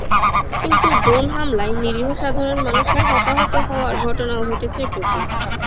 কিন্তু ড্রোন হামলায় নিরীহ সাধারণ মানুষের হতাহত হওয়ার ঘটনা ঘটেছে প্রচুর।